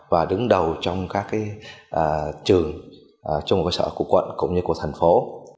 và đứng đầu trong các trường trung học cơ sở của quận cũng như của thành phố